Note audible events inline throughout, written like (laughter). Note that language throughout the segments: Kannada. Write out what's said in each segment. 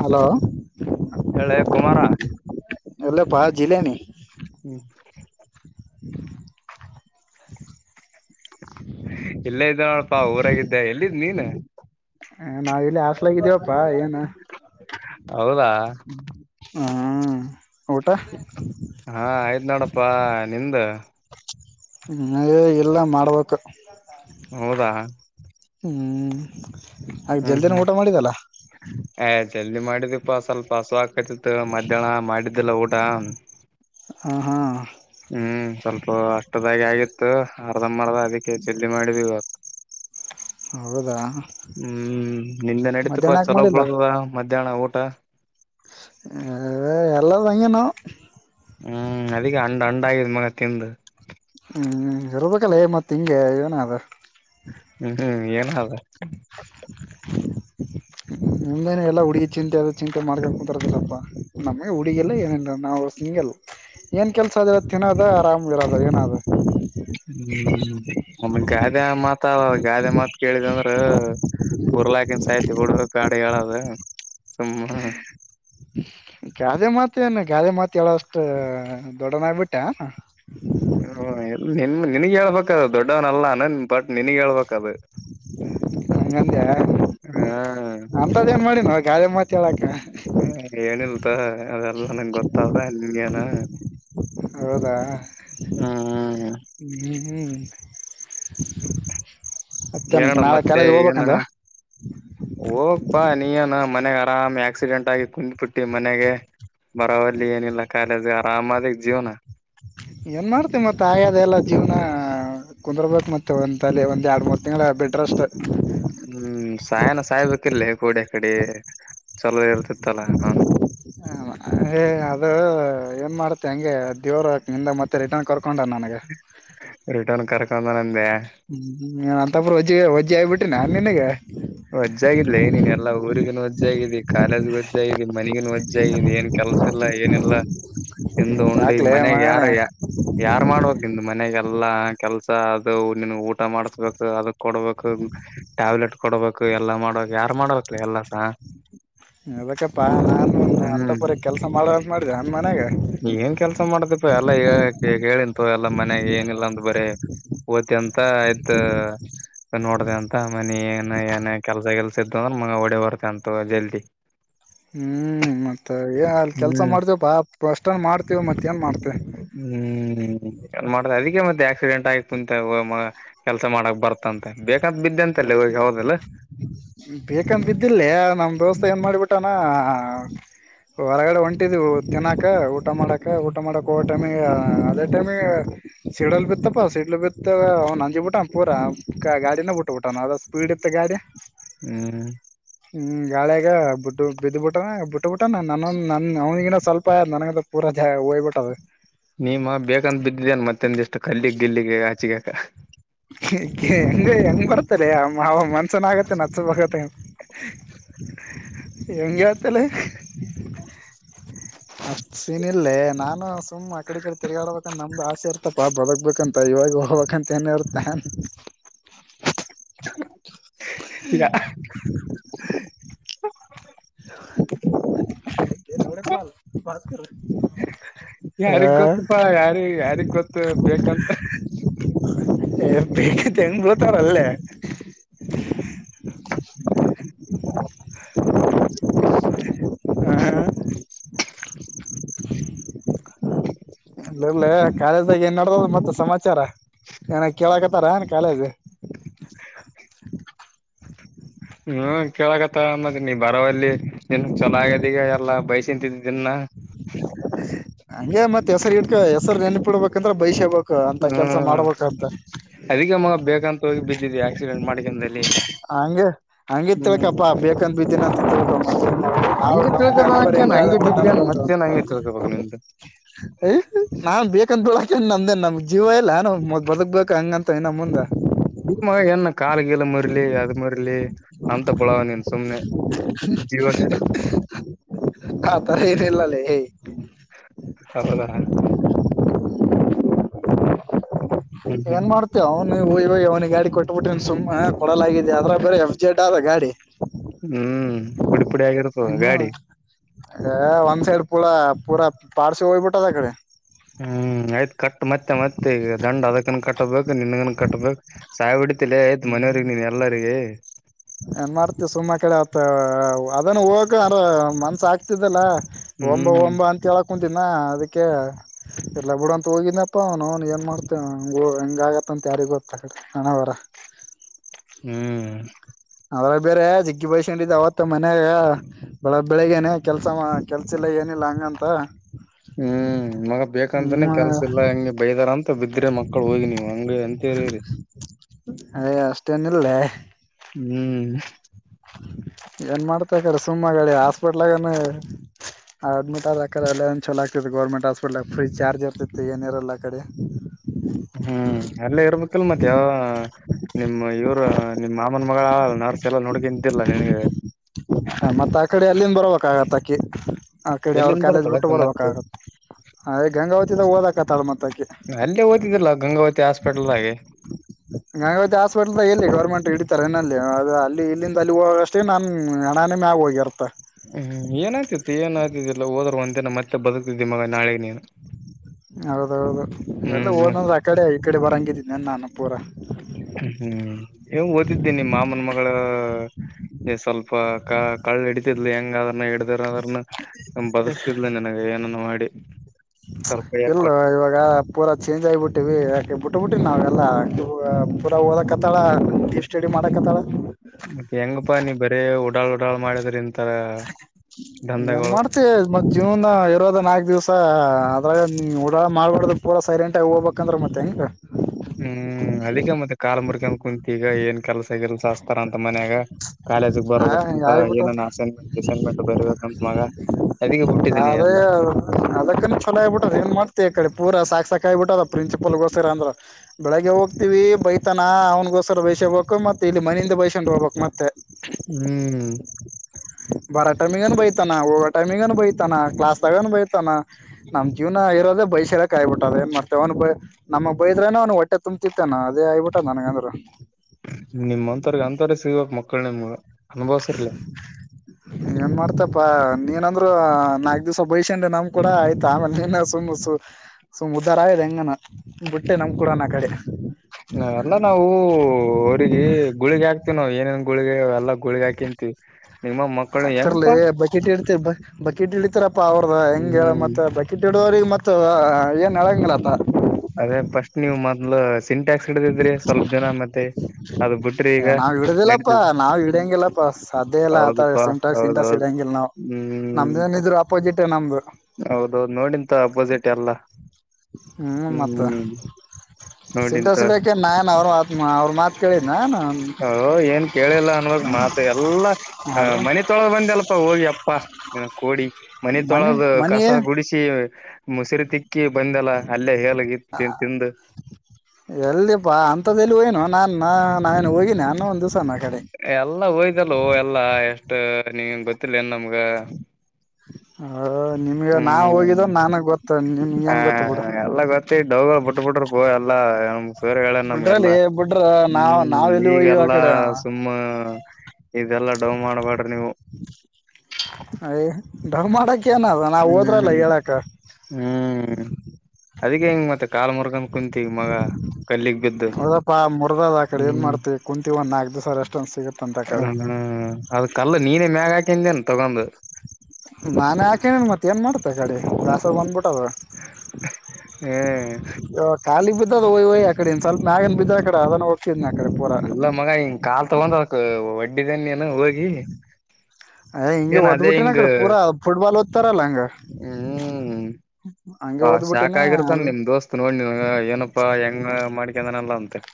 ಹಲೋ ಹೇಳೆ ಕುಮಾರ ಜಿಲ್ಲೆನ ಹ್ಮ್ (inaudible) (unintelligible) ಇಲ್ಲೇ ಇದ್ದಳಪ್ಪಾ ಊರಾಗಿದ್ದೆ ಎಲ್ಲಿದ್ ನೀನ್ ಹ ನಾವ ಇಲ್ಲಿ ಆಸ್ಲಾಗಿದ್ದೀವಪ್ಪಾ ಏನ ಹೌದಾ ಹಾ ಹಾ ಆಯ್ತ್ ನಡಪ್ಪಾ ನಿಂದ ನೇ ಇಲ್ಲ ಮಾಡ್ಬೇಕು ಹೌದಾ ಹ್ಮ್ ಹಾಗ ಹ್ಮ್ ಜಲ್ದಿನ ಹ್ಮ್ ಊಟ ಮಾಡಿದಲ್ಲ ಏ ಜಲ್ದಿ ಮಾಡಿದಿಪ್ಪಾ ಸ್ವಲ್ಪ ಹಸ ಆಕತಿತ್ತು ಮಧ್ಯಾಹ್ನ ಮಾಡಿದ್ದಿಲ್ಲ ಊಟ ಹ ಹಾ ಹ್ಮ್ ಸ್ವಲ್ಪ ಅಷ್ಟದಾಗಿ ಆಗಿತ್ತು ಅರ್ಧ ಮರ್ದ ಅದಕ್ಕೆ ಚಲ್ಲಿ ಮಾಡಿದು ಇವಾಗ ಹೌದಾ ಹ್ಮ್ ನಿಂದೆ ನಡೀತಪ್ಪಾ ಮಧ್ಯಾಹ್ನ ಯಾಕ ಚಲೋ ಬಳದವ ಮಧ್ಯಾಹ್ನ ಊಟ ಹ ಎಲ್ಲ ಅಂಗೆನಾವ್ ಹ್ಮ್ ಅದಕ್ಕೆ ಅಂಡ್ ಅಂಡ ಆಗಿದ್ ಮಗ ತಿಂದು ಹ್ಮ್ ಇರ್ಬೇಕಲ್ಲೆ ಮತ್ತ್ ಹಿಂಗೆ ಏನದು ಹ್ಮ್ ಹ್ಮ್ ಏನಾದ (unintelligible) ಮುನೆ ಎಲ್ಲ ಹುಗಿ ಚಿಂತೆ ಚಿಂತೆ ಮಾಡ್ಕೊಂಡು ಕುಂತಾರತ್ತಪ್ಪಾ ನಮಗೆ ಹುಗಿಯಲ್ಲ ಏನ ನಾವು ಸಿಂಗ ಏನ್ ಕೆಲ್ಸ ಅದ ಏಳ್ ತಿನದ ಆರಾಮ್ಲಿರದ ಏನದ ನಮ ಗಾದೆ ಮಾತ ಗಾದೆ ಮಾತ್ ಕೇಳಿದಂದ್ರ ಉರ್ಲಾಕನ್ ಸಯ್ತಿ ಬಿಡು ಕಾಡಿ ಹೇಳದು ಸುಮ್ಮ ಗಾದೆ ಮಾತ ಏನು ಗಾದೆ ಮಾತ ಹೇಳಷ್ಟ ದೊಡ್ಡನಾಗಬಿಟ್ಟೆನ್ ಹ ನಿನ್ ನಿನಗ್ ಹೇಳ್ಬೇಕದು ದೊಡ್ಡವನಲ್ಲನನ್ ಬಟ್ ನಿನಗ್ ಹೇಳ್ಬೇಕದು ಹ ಅಂಗಂದೆ ಹಾ ಅತ್ ತದ್ ಏನ್ ಮಾಡಿನ ನೊ ಗಾಳಿ ಮಾತ್ ಹೇಳಾಕ್ಕ ಹ ಏನಲ್ತೊ ಅದೆಲ್ಲ ನಂಗೆ ಗೊತ್ತಾವ ಅಲ್ಲಿಗನ ಹೌದಾ ಹ್ಮ್ ಹ್ಮ್ಮ್ ಮತ್ತೆ ಏನಡ ನಾಳೆ ಮತ್ತೆ ಕೆಲೇಜ್ ಏನ ಹೋಗ್ಬೇಕಂದೆ ಹೋಗ್ಪಾ ನೀನ ಮನೆಗ ಆರಾಮ ಆಕ್ಸಿಡೆಂಟ್ ಆಗಿ ಕುಂದಬಿಟ್ಟಿ ಮನೆಗೆ ಬರವಲಿ ಏನಿಲ್ಲ ಕಾಲೇಜ್ ಆರಾಮದ ಜೀವನ ಏನ್ ಮಾಡ್ತಿ ಮತ್ ಆಗ್ಯದ ಎಲ್ಲ ಜೀವನ ಕುಂದರ್ಬೇಕ್ ಮತ್ತೆ ಒಂದ ತಲೆ ಒಂದ ಎರಡ್ ಮೂರ್ ತಿಂಗಳು ಬಿಟ್ರ ಅಷ್ಟ ಹ್ಮ್ ಸಾಯನ ಸಾಯ್ಬೇಕಲ್ಲ ಕೋಡೆ ಅಕೆಡಿ ಚಲೋ ಹೇಳ್ತಿತ್ತಲ ಹಾ ಹ ಏ ಅದು ಏನ್ ಮಾಡ್ತಿ ಹಂಗೆ ದೇವರ ನಿಂದ ಮತ್ತೆ ರಿಟರ್ನ್ ಕರ್ಕೊ ರಿಟರ್ನ್ ಕರ್ಕೊನ್ ಹ್ಮ್ನ್ ಅಂತಪ ವಜ್ಜ ವಜ್ಜ ಆಗಿಬಿಟ್ಟಿನ ನಿನಗ ಕಾಲೇಜ್ ಒಜ್ಜ ಇದತಿ ಮನಗನ್ ಒಜ್ಜ ಇದಿ ಏನ್ ಕೆಲ್ಸ ಇಲ್ಲಾ ಏನಿಲ್ಲ ತಿಂದು ಉಂಡ ಈಗ ಯಾಕ್ಲೆ ಮನೆಗ ಯಾರ ಮಗನೇ ಯಾರು ಮಾಡ್ಬೇಕ್ ನಿಂದು ಮನೆಗೆಲ್ಲ ಎಲ್ಲ ಕೆಲ್ಸ ಅದು ನೀನು ಊಟ ಮಾಡಸ್ಬೇಕು ಅದ ಕೊಡ್ಬೇಕು ಟ್ಯಾಬ್ಲೆಟ್ ಕೊಡ್ಬೇಕು ಎಲ್ಲಾ ಮಾಡ್ಬೇಕಕ್ ಯಾರು ಮಾಡ್ಬೇಕಕ್ಲ ಎಲ್ಲಸ ಅದಕ್ಕಪ್ಪಾ ನಾನನ್ ಅಂತ ಹ್ಮ್ ಪರ ಕೆಲ್ಸ ಮಾಡ ಅಂತ ಮಾಡ್ದ ಅಂದ ಮನ್ಯಾಗ ಏನ್ ಕೆಲ್ಸ ಮಾಡದಿಪ್ಪ ಎಲ್ಲಾ ಕೇಳಿಂತು ಎಲ್ಲಾ ಮನೆಗ ಏನಿಲ್ಲಾ ಅಂದ ಬಾರೆ ಓತಿ ಅಂತ ಆಯ್ತ ನೋಡ್ದ ಅಂತ ಮನಿ ಏನ ಕೆಲ್ಸ ಗಿಲ್ಸ ಇದ್ದ ಅಂದ್ರೆ ಮಂಗ ಹೊಡೆ ಬರ್ತೆ ಅಂತ ಜಲ್ದಿ ಹ್ಮ್ ಮತ್ತ ಮ ಏ ಅಲ್ಲಿ ಕೆಲ್ಸ ಹ್ಮ್ ಮಾಡ್ತೇವು ಬಾ ಅಷ್ಟನ್ ಮಾಡ್ತೇವ ಮತ್ತ ಏನ್ ಮಾಡ್ತೆೇವೆ ಹ್ಮ್ ಏನ್ ಮಾಡ್ ಮತ್ತೆ ಆಕ್ಸಿಡೆಂಟ್ ಆಯತ ಕುಂತ ಕೆಲಸ ಮಾಡಕ್ ಬರ್ತ್ತಂತ ಬೇಕಂತ ಬಿದ್ದಂತ ಬೇಕಂತ ಬಿದ್ದಿಲ್ಲೇ ನಮ ದೋಸ್ತ ಏನ್ ಮಾಡ್ಬಿಟ್ಟಾನ ಹಾ ಹೊರಗಡೆ ಹೊಂಟಿದೀವು ತಿನ್ನಾಕ ಊಟ ಮಾಡಾಕ ಊಟ ಮಾಡಕ್ ಹೋಗ ಟೈಮಿಗಿ ಹ ಅದೇ ಟೈಮ ಸೀಡಲ್ ಬಿತ್ತಪ್ಪ ಸೀಡ್ಲ್ ಬಿತ್ತ ಒ ನಂಜಿ ಬಿಟ್ಟ ಪೂರ ಗಾಡಿನ ಬಿಟ್ಟ ಬಿಟ್ಟ ಮಾದ ಸ್ಪೀಡ್ ಇತ್ತ ಗಾಡಿ ಹ್ಮ. ಹ್ಮ ಗಾಳ್ಯಾಗ ಬಿದ್ದ ಬಿದ್ದಬಿಟ್ಟಾನ ಬಿಟ್ಟಬಿಟ್ಟಾನ ನ ನನ್ ಅವ್ನಿಗಿನ ಸ್ವಲ್ಪ ನನಗದ ಪುರ್ ಓಯ ಹೊಯ್ ಬಿಟದ ನೀಮ ಬೇಕಂತ ಬಿದ್ದಿದೇನ್ ಮತ್ತೆಂದಿಷ್ಟ ಕಲ್ಲಿಗ್ ಗಿಲ್ಲಿಗ ಆಚಗ್ಯಾಕ ಎ ಎ ಹೆಂಗ ಹೆಂಗ್ ಬರತ್ತಲೆ ಆ ಮಾವ ಮನ್ಸನ ಆಗತ್ತನ ನತ್ಸ ಬ ಎಂಗೆ ಅಷ್ ಸೀನ್ ಇಲ್ಲೇ ನಾನ ಸುಮ್ ಅಕಡಿ ಇಕಡೆ ತಿರ್ಗಾಡಬೇಕಂದ ನಮ್ದ ಅಸೆ ಇರತಪ್ಪ ಬಗ್ಬೇಕಂತ ಇವಾಗ ಹೋಗಬೇಕಂತ ಏನ (inaudible) ಯ (unintelligible) ಯಾರಿಗ ಗೊತ್ತಪಾ ಯಾರಿ ಯಾರಿಗ್ ಗೊತ್ತ ಬೇಕಂತ ಎ ಬೇಕಥ್ ಎಂಗ ಬಿತಾರಲ್ಲೇ ಹಾ (inaudible) ಇರ್ಲ ಕಾಲೇಜ್ದಾಗ ಏನನಡದದ ಮತ್ತ ಸಮಾಚಾರ ಏನ ಕೇಳಕತ್ತಾರ ನ ಕಾಲೇಜ ಹ್ಮ ಕೇಳಕತ್ತ ಮತ್ತ ನೀ ಬರವಲ್ಲಿ ನಿನಚೆನ್ನಾಗದ ಎಲ್ಲಾ ಬೈಸ್ ತಿಂತೀನ ದಿನ್ನ ಹಂಗೆ ಮತ್ ಹೆಸರ ಗಿಡ್ಕ ಹೆಸರ ನೆನ್ಪಿಡ್ಬೇಕಂದ್ರ ಬಹಷ ಬೆ ಹ್ಮ ಅದಿಕ್ಕೆ ಮಗ ಬೇಕಂತ ಹೋಗಿ ಬಿದ್ದಿದ ಆಕ್ಸಿಡೆಂಟ್ ಮಾಡಿಕೊಂಡ ಅಲ್ಲಿ ಹಂಗೆ ಹಂಗೆ ತಿಳ್ಕಪ್ಪಾ ಬೇಕಂತ ಬಿದ್ದೀನಂತ ತಿಳ್ಕೊ ಹಂಗೆ ತಿಳ್ಕದನಕೇನ್ ಹಂಗೆ ಬಿದ್ದೇನ್ ಮತ್ತೇನ್ ಹಂಗೆ ತಿಳ್ಕೋಬೇಕು ನಿಂದು (unintelligible) ಯ ನಾನ್ ಬೇಕಂತ ಬೀಳಕ ನಂದ್ ಏನ್ ನಮ ಜೀವ ಇಲ್ಲ ನಾವ ಮ ಬದಗ್ಬೇಕ ಹಂಗಂತ ಇನ್ನ ಮುಂದ ಈ ಮ ಏನ ಕಾಲ ಗಿಲ ಮುರಲಿ ಅದ ಮುರಿಲಿ ಅಂತ ಬಳಾ ನೀನ್ ಸುಮ್ನೆ ಜೀವ ಹೌದಾ (unintelligible) ಹ್ಮ್ ಏನ್ ಹ್ಮ್ ಮಾಡ್ತ ಅವನ ವುಯ್ ವುಯ್ ಇವ್ನ ಅವನಿಗ ಗಾಡಿ ಕೊಟ್ಟ ಬಟ್ಟ ಸುಮ್ಮ ಕೊಡಲಾಗಿದ ಆದ್ರ ಬೇರೆ ಎಫ್ ಜೆಡ್ ಅದ ಗಾಡಿ ಹ್ಮ ಪುಡಿ ಪುಡಿ ಆಗಿರತ ಅದ ಗಾಡಿ ಯ ಒಂದ್ ಸೈಡ್ ಪೂಳ ಪೂರ ಪಾರ್ಸಿ ಹೋಗ್ಬಿಟ್ಟದ ಅ ಕಡೆ ಹ್ಮ ಆಯ್ತ ಕಟ್ ಮತ್ತ ಮತ್ತ ಈಗ ದಂಡ ಅದಕ್ಕನ ಕಟ್ಟಬೇಕ. ನಿನ್ಗನ ಕಟ್ಬೇಕ ಸಾಯ ಹೊಡತಿಲೇ ಇದ್ದ ಮನೆಯವ್ರಿಗ ನೀನ್ ಎಲ್ಲರಿಗ ಏನ್ ಮಾಡ್ತಿ ಸುಮ್ಮ ಅಕಡೆ ಅತ್ ಅದನ್ನ ಹೋಗಾರ ಮನ್ಸ ಆಗ್ತಿದ್ದಲ್ಲ. ಒಂಬ ಹ್ಮ್ ಒಂಬ ಅಂತ ಹೇಳ ಕುಂತಿನ ಅದಕ್ಕೆ ಎಲ್ಲ ಬಿಡ ಅಂತ ಹೋಗಿನಪ್ಪ (unintelligible) ಏನ್ ಮಾಡ್ತೇವ ಹ ಹೆಂಗ ಆಗತ್ತ. ಅಂತ ಯಾರಿಗ ಗೊತ್ತ ಕಡೆ ಹಣಾವರ ಹ್ಮ. ಆವಾ ಬೇರೆ ಜಿಗ್ಗಿ ಬಿಯಸ್ಕೊಂಡಿದ್ದ ಅವತ್ತ ಮನ್ಯಾಗ ಬೆಳಗ್ ಬೆಳಿಗ್ನೆ ಕೆಲ್ಸ ಕೆಲ್ಸ ಇಲ್ಲ ಏನಿಲ್ಲ ಹಂಗಂತ ಹ್ಮ ಮಗ ಬೇಕಂತನೆ ಹ್ಮ ಕೆಲ್ಸ ಇಲ್ಲ ಹೆಂಗ ಬೈದಾರ ಅ ತ್ತ ಬಿದ್ರ ಮಕ್ಕಳ ಹೋಗಿ ನೀವು ಹಂಗ ಅಂತ ಹೇ ಎ ಅಷ್ಟೇನಿಲ್ಲೆ. ಹ್ಮ. ಏನ್ ಮಾಡ್ತಾ ಇದ್ದೀರಾ ಸುಮ್ಮಗಿ ಹಾಸ್ಪಿಟ್ಲಗಾನ ಅಡ್ಮಿಟ್ ಆದಕರ ಅಲೆ ಅದೊಂದ ಚಲ ಆಕತಿ ಗೌರ್ಮೆಂಟ್ ಹಾಸ್ಪಿಟ್ಲ್ ಫ್ರೀ ಚಾರ್ಜ್ ಇರ್ತಿ ಏನಿರಲ್ಲ ಕಡೆ ಹ್ಮ ಅಲ್ಲೇ ಇರ್ಬೇಕ ಇಲ ಮತ್ತ ಯ ನಿಮ್ ಇವ್ರ ನಿಮ್ ಮಾಮನ ಮಗ ನರ್ಸ್ ಎಲ್ಲ ನೋಡ್ಕನಂತೀರಲ್ಲಾ ನಿನಗ ಹ ಮತ್ತ ಆ ಕಡೆ ಅಲ್ಲಿಂದ ಬರ್ಬೇಕ ಆಗತ್ತ ಅಕ್ಕಿ ಆಕಡೆ ಅವ್ರ ಎಲ್ಲಿಂದ ಕಾಲೇಜ್ ಬರ್ತಾಳ ಬಿಟ್ಟ ಆಕಿ ಮತ್ತೆ ಬರ್ಬೇಕಾಗತ್ತೆ ಅದ ಗಂಗಾವತಿದಾಗ ಓದಕತಾಳ ಮತ್ತ (unintelligible) ಅಲ್ಲೇ ಓದಿದಿಲ್ಲ ಗಂಗಾವತಿ ಹಾಸ್ಪಿಟಲ್ದಾಗೆ ಟ್ ಹಿಡಿತಾರೆ ಏನಲ್ಲಿ ಅ ಅಲ್ಲಿ ಇಲ್ಲಿಂದ ಅಲ್ಲಿ ಹೋಗ ಅಷ್ಟೇ ನಾನ್ ನಣನೇ ಮ್ಯಾಗ ಹೋಗಿರ್ತ್ತ ಹ್ಮ್ ಏನ ಆಗ್ತಿತ್ತು ಏನ್ ಆ್ತಲ್ಲಾ ಹೋದ್ರು ಒಂದ ದಿನ ಮತ್ತೆ ಬದುಕತಿದಿ ಮಗ ನಾಳಿಗಿ ನೀ ಹೌದೌದು ಎಲ್ಲ ಹ್ಮ್ ಮತ್ ಓದಂದ್ರ ಆ ಕಡೆ ಈ ಕಡೆ ಬರಂಗಿದ್ದೀನಿ ನಾನು ಪೂರಾ ಹ್ಮ್ ಓದತಿದ್ದೀ ಮಾಮನ ಮಗಳ ಸ್ವಲ್ಪ ಕ ಕಳ್ಳ ಹಿಡಿತಿದ್ಲಿ ಹೆಂಗ ಅದನ್ನ ಇದರ ಅದ್ರನ್ನ ಬದಕಸ್ತಿದ್ಲ ನಿನಗ ಏನನ್ನ ಮಾಡಿ ಸ್ವಲ್ಪ ಕೈಯಾಗ ಇಲ್ಲ ಕೊಟ್ಟ ಇವಾಗ ಪೂರಾ ಚೇಂಜ್ ಆಗಬಿಟ್ಟಿವಿ ಬಿಟ್ಟ ಬಿಟ್ಟಿ ನಾವೆಲ್ಲ ಪೂರ ಓದಕ್ ಹತ್ತಾಳ ಸ್ಟಡಿ ಮಾಡಕ್ ಹತ್ತಾಳ ಮತ್ತೆ ಹೆಂಗಪ್ಪಾ ನೀ ಬರೇ ಉಡಾಳ್ ಉಡಾಳ್ ಮಾಡಿದ್ರ ಇಂತರ ಏನ್ ದಂಧೆಗಳು ಮಾಡ್ತಿ ಮತ್ ಜೀವನ್ ಇರೋದನ್ ನಾಕ್ ದಿವ್ಸ ಅದ್ರಾಗ ಊಡಾಳ ಮಾಡಬಾರದ್ ಪೂರ್ ಸೈಲೆಂಟ್ ಆಗಿ ಹೋಗಬೇಕಂದ್ರ ಮತ್ತ ಹ್ಯಾಂಗ್ ಹ್ಮ್ ಅದಕ್ಕೆ ಮತ್ತೆ ಕಾಲ್ ಮುರ್ಕಂದ ಕುಂತ ಈಗ ಏನ್ ಕೆಲಸ ಗಿಲ್ಸಾ ಅಷ ರ ಅಂತ ಮನ್ಯಾಗ ಕಾಲೇಜಗ್ ಬರಬೇಕ ಅಂತ ಆಗ್ಬಿಟ್ಟು ಏನ ಅಸೈನ್ಮೆಂಟ್ ಗಿಸೈನ್ಮೆಂಟ್ ಬರಬೇಕಂತ ಮಗ ಅದಕ್ಕೆ ಬಿಟ್ಟಿದ್ದೀನಿ ಅದೇ ಎಲ್ಲ ಅದಕ್ಕ ಚಲೋ ಆಗ್ಬಿಟ್ಟದ ಏನ್ ಮಾಡ್ತ ಈ ಕಡೆ ಪೂರಾ ಸಾಕ್ಷ ಸಕಾಯ್ಬ ಬಿಟ್ಟದ ಪ್ರಿನ್ಸಿಪಲ್ಗೋಸ್ರ ಅಂದ್ರೆ ಬೆಳಗ್ಗೆ ಹೋಗ್ತತಿವಿ ಬೈತಾನ ಅವನ್ಗೋಸ್ರ ಬೇಷ ಬೇಕು ಮತ್ತೆ ಇಲ್ಲಿಮನಿಯಿಂದ ಬೈಸಂಡ್ ಹೋಗಬಕ್ ಮತ್ತೆ ಹ್ಮ್ ಟೈಮಿನ್ ಬೈತಾನ ಹೋಗೋ ಟೈಮಿ ಬೈತಾನ ಕ್ಲಾಸ್ ದಾಗನ್ ಬೈತಾನ ನಮ್ ಜೀವನ ಇರೋದೇ ಬೈಷ ಬ ಆಗಬಿಟ್ಟ ಅದ ನ್ ಅವ್ ಬ ನಮಗ್ ಬೈದ್ರನೆ ಅವ್ನ್ ಹೊಟ್ಟೆ ತುಂಬತಿತ್ತೇನ ಅದೇ ಆಗ್ಬಿಟ್ಟದ ನನಗಂದ್ರ ನಿಮಂಂತರ್ಗ ಅಂತರವರ ಸಿಗ್ಬೇಕ್ ಮಕ್ಳು ನಿಮ್ ಅನ್ಭವಸರ್ಲೆ ಏನ್ ಮಾಡ್ತಪ್ಪಾ ನೀನಂದ್ರು ನಾಲ್ಕ್ ದಿವ್ಸ ಬೈಷ ಕೋಂಡ ನಮ್ ಕೂಡ ಆಯ್ತ ಆಮೇಲೆ ನೀ ಸುಮ್ ಸ ಸುಮ ಉದ್ದಾರ ಆ ಹೆಂಗನ ಬುಟ್ಟೆ ನಮಕೂಡೋಣ ಆ ಕಡೆ ಎಲ್ಲ ನಾವು ಅವರಿಗೆ ಗುಳಿಗೆ ಹಾಕ್ತಿವ್ ನಾವು ಏನೇನ ಗುಳ ಎಲ್ಲಾ ಗುಳಗ್ ಹಾಕಿಂತೀ ನಿಮಮ್ಮ ಮಕ್ಕಳು ರ್ಲಿ ಹೆಂಗಪಾ ಬಕೆಟ್ ಇಡ್ತ ಬಕೆಟ್ ಇಡಿತಾರಪ್ಪ ಅವ್ರದ ಹೆಂಗ ಹ್ಮ್ ಮತ್ತ ಬಕೆಟ್ ಇಡೋವ್ರಿಗೆ ಮತ್ತ ಏನ್ ಹೇಳಂಗ ತಿನ್ ಟ್ಯಾಕ್ಸ್ ಹಿಡಿದ್ರಿ ಸ್ವಲ್ಪ ದಿನ ಮತ್ತೆ ಅದು ಬಿಟ್ರಿ ಅ ಈಗ ನಾವ್ ಹಿಡದಿಲ್ಲಪ್ಪಾ ನಡೀತದೆ ನಾವ್ ಹಿಡ್ಯಾಂಗಿಲ್ಲಪ್ಪಾ ಸಾಧ್ಯ ಇಲ್ಲಾ ಆತ ಹೌದಪ್ಪಾ ಸಿಂಟಾಗಸ್ ಗಿಟಾಕಸ್ ಹೌದೌದು ಇಂಗಿಲ್ಲ ನಾವು ನಮ್ದಏನ ಇದ್ರು ಅಪೋಸಿಟ್ ನಮ್ದು ಹೌದೌದು ನೋಡಿಂತೋ ಅಪೋಸಿಟ್ ಎಲ್ಲಾ ಹ್ಮ್ ಮತ್ತ ಸಿಂಟ ನೋಡಿಂತ ಸಿಲಕ ನಾನ್ ಅವ್ರ ಮಾತ್ ಅವ್ರ ಮಾತ್ ಕೇಳಿದ್ನ ನಾನ್ ಹ ಏನ್ ಕೇಳಿಲ್ಲ ಅನ್ವಾಗ ಮಾತು ಎಲ್ಲ ಯಾರು ಮನಿ ತೊಳಗ ಬಂದ ಅಲ್ಪ ಹೋಗಿ ಅಪ್ಪ ಪ್ಪಾ ಕೋಡಿ ಮನೆ ತೊಳದ ಕಸ ಗುಡಿಸಿ ಮುಸರಿ ತಿಕ್ಕಿ ಬಂದಲ್ಲ ಅಲ್ಲೇ ಹೇಳ ಹ ಎಲ್ಲಿಪ್ಪಾ ಅಂತದಲ್ಲಿ ಏನು ನಾ ನಾನೇನ್ ಹೋಗಿನೆನ ಇ ಒಂದು ದಿವಸಾನ ಎಲ್ಲಾ ಹೋಯ್ದಲ್ಲ ಎಲ್ಲಾ ಎಷ್ಟ ನೀನ್ ಗೊತ್ತಿಲ್ಲ ಇನ್ ನಮ್ಗ ಹ ನಿಮ್ಗೆ ನಾ ಹ್ಮ್ ಹೋಗಿದ ನನ್ಗ್ ಗೊತ್ತ ನಿಮ್ಗ ಹ ಏನ್ ಗೊತ್ತ ಬಿಡು ಎಲ್ಲ ಗೊತ್ತ ಡೋವ ಬಿಟ್ಟ ಬಿಟರು ಹ ಎಲ್ಲಾ ನಮ್ ಸರ್ ಹೇಳ ನಮ್ಗೆಲ್ಲ ಬಿಡ್ರಲ್ಲಿ ಬಿಡ್ರ ನಾವ್ ಹ್ಮ್ ನಾವ್ ಎಲ್ಲಿ ಹೋಗಿವ ಆ ಈಗೆಲ್ಲಾ ಕಡೆ ಸುಮ್ಮ ಇದೆಲ್ಲಾ ಡೌ ಮಾಡ್ಬೇಡ್ರಿ ನೀವು ಯ ಡೌವ ಮಾಡಕ ಏನ ನಾವ್ ಹೋದ್ರಲ್ಲ ಹ್ಮ್ ಹೇಳಕ ಅದಿ ಹೆಂಗ ಮತ್ತೆ ಕಾಲ್ ಮುರ್ಗನ್ ಕುಂತಿ ಈಗ ಮಗ ಕಲ್ಲಿಗ್ ಬಿದ್ದು ಹೌದಪ್ಪಾ ಮುರದ ಆ ಕಡೆ ಏನ್ ಮಾಡ್ತವಿ ಕುಂತೀ ಒಂದ ನಾಕ್ ದಿ ಹ್ಮ ಅದ ಕಲ್ಲು ನೀನೆೇ ಮ್ಯಾಗ ಹಾಕಿಂದೇನ್ ತಗೊಂಡ (unintelligible) ಹ್ಮ್ ಕಾಲಿ ಬಿದ್ದವ ಕಡೆ ಸ್ವಲ್ ಮ್ಯಾಗನ್ ಬಿದ್ದ ಕಡೆ ಅದ ಇಲ್ಲ ಮಗಾ ಹಿಂಗ ಕಾಲ್ ತಗೊಂಡ ಅಕ್ ವಡ್ಡಿದೆನ್ ನೀನು ಹೋಗಿ ಏ ಹಿಂಗೆ ಏನ್ ಅದೇ ಓದ್ಬಿಟ್ಟಿನ ಆ ಹಿಂಗ ಕಡೆ ಪೂರಾ ಫುಟ್ಬಾಲ್ ಓದ್ತಾರಲ್ಲ ಹಂಗ ಹ್ಮ್ ಹಂಗೆ ಹ ಓದ್ಬಿಟ್ಟಿನ ಶಾಕ್ ಅಲ್ ಆಗಿರ್ತನ್ ನಿಮ್ ದೋಸ್ತ್ ನೋಡ್ ನೀ ಏನಪ್ಪಾ ಹೆಂಗ ಮಾಡ ಂದಲ್ಲ ಉಂತೆ (inaudible)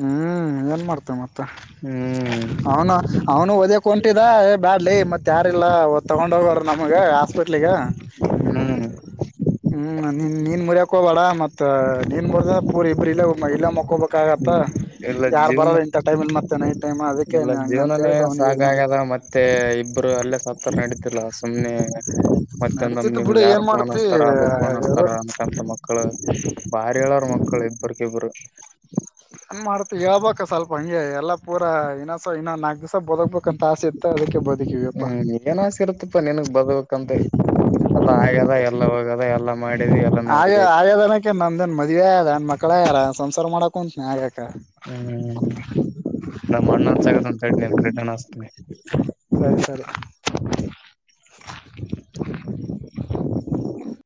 ಹ್ಮ್ ಏನ್ ಮಾಡ್ತೆವೆ ಮತ್ತ ಹ್ಮ್ ಅವನು ಅವನು ಒದ ಹೊಂಟಿದ ಎ ಬ್ಯಾಡ್ ಅಲ್ಲಿ ಮತ್ ಯಾರಲ್ಲ ತಗೊಂಡ ಹೋಗೋರು ನಮಗ ಹ್ಮ್ ಹ್ಮ (inaudible) ಮುರಿಯಕೋಬೇಡ ಮತ್ ನಿನ್ ಬ ಪುರಿ ಇಬ್ಬರು ಇಲ್ಲ ಇಲ್ಲ ಮಕ್ಕೋಬೇಕ ಮ ಇಲ್ಲ ಯಾರು ಜೀವನ ಬರೋದು ಇಂಟರ್ಟೈನ್ಮೆಂಟ್ ಮತ್ತನ ಇಲ್ಲ ಜೀವನನೇ ಸಾಕಾಗದ ಮತ್ತೆ ಇಬ್ಬರು ಅಲ್ಲೇ ಸತ್ತರ ನಡಿದ್ದಿಲ್ಲ ಸುಮ್ನೆ ಮತ್ತೊಂದಮ ನಡತಿತ್ ನಿಮ್ಗೆ ಬಿಡು ಯಾರ್ ಏನ್ ಫೋನ್ ಮಾಡ್ತಿ ಹಸ್ತಾರ ಅದ ಫೋನ್ ಹಸ್ತಾರ ಅನ್ಕಂತ ಮಕ್ಕಳು ಬಾ ಯಾರ ಹೇಳಾರ ಮಕ್ಕಳ ಇಬ್ಬರುಕ ಇಬ್ಬರು ಹನ್ ಮಾಡ್ತಿ ಹೇಳ್ಬಬೇಕ ಸ್ವಲ್ಪ ಹಂಗೆ ಎಲ್ಲಾ ಪೂರ ಇಸ ಇನ್ನ ನಾಗಸ ಬದಕ್ಬೇಕಂತ ಆಸೆ ಇತ್ತ ಅದಕ್ಕೆ ಬದುಕಿವಪ್ಪ ಹ್ಮ್ ಏನ್ ಎಲ್ಲ ಆಗ್ಯದ ಎಲ್ಲ ಹೋಗದ ಎಲ್ಲ ಮಾಡಿವಿ ಆ ಆ ಅನಕ ನಮ್ದನ್ ಮದ್ವೆೆ ಅದ ಅನ್ ಮಕ್ಕಳಾಗ್ಯಾರ ಸಂಸಾರ ಮಾಡಾಕ್ ಕುಂಂತನಿ ಆಕ ಹ್ಮ್ ನಮ ಅಣ್ಣಸಗತ್ ಅಂತ ಹೇಳನ್ ರಿಟನ್ ಹಸ್ತನೆ ಬ ಸರಿ (inaudible)